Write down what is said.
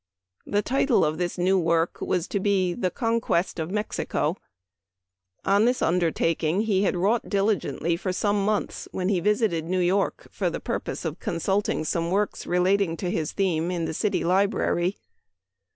The title of this new work was to be "The Conquest of Mexico." On this under taking he had wrought diligently for some months, when he visited New York for the pur pose of consulting some works relating to his theme in the " City Library."